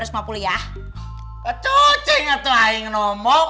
kacau ceng atau aing nomok